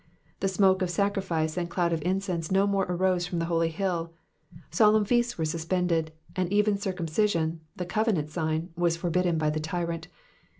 The smoke of sacrifice and cloud of incense no more arose from the holy hill ; solemn feasts were suspended, and even circumcision, the covenant sign, was forbidden by the tyrant.